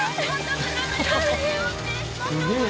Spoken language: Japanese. すげえ！